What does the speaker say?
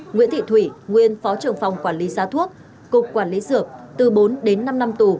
nguyễn thị thủy nguyên phó trưởng phòng quản lý giá thuốc cục quản lý dược từ bốn đến năm năm tù